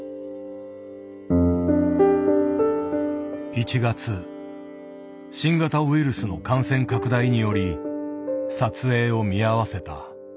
１月新型ウイルスの感染拡大により撮影を見合わせた。